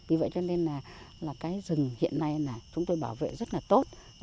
vì vậy cho nên là cái rừng hiện nay là chúng tôi bảo vệ rất là tốt